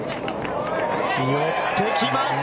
寄ってきます！